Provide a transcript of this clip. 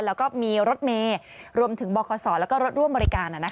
แล้วก็มีรถเมย์รวมถึงบขศแล้วก็รถร่วมบริการ